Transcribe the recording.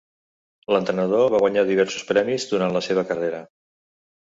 L'entrenador va guanyar diversos premis durant la seva carrera.